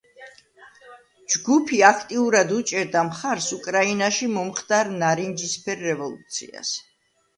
ჯგუფი აქტიურად უჭერდა მხარს უკრაინაში მომხდარ ნარინჯისფერ რევოლუციას.